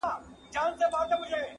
موږ به ولي د قصاب چړې ته تللای -